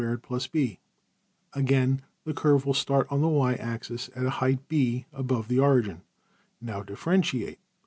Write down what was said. \end{DPalign*} Again the curve will start on the $y$ axis at a height~$b$ above the origin. Now differentiate.